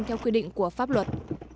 theo quy định của pháp luật